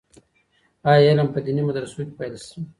آيا علم په ديني مدرسو کي پيل سو؟